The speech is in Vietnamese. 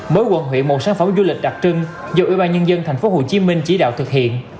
mỗi quận huyện một sản phẩm du lịch đặc trưng do ủy ban nhân dân tp hcm chỉ đạo thực hiện